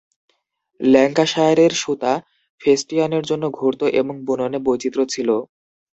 ল্যাঙ্কাশায়ারের সুতা ফেস্টিয়ানের জন্য ঘুরত এবং বুননে বৈচিত্র্য ছিল।